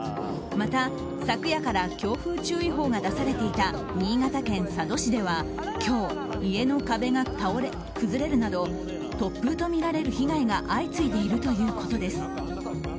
また昨夜から強風注意報が出されていた新潟県佐渡市では今日、家の壁が崩れるなど突風とみられる被害が相次いでいるということです。